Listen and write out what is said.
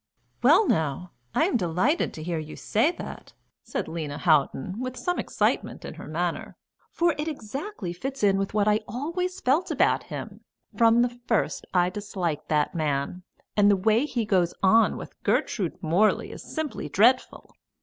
"Well now, I am delighted to hear you say that," said Lena Houghton, with some excitement in her manner, "for it exactly fits in with what I always felt about him. From the first I disliked that man, and the way he goes on with Gertrude Morley is simply dreadful.